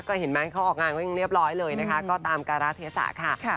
ก็เห็นไหมเขาออกงานก็ยังเรียบร้อยเลยนะคะก็ตามการาเทศะค่ะ